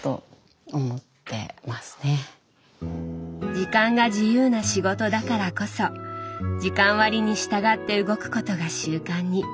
時間が自由な仕事だからこそ時間割に従って動くことが習慣に。